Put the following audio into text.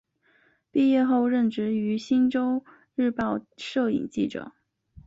毕业后任职于星洲日报摄影记者。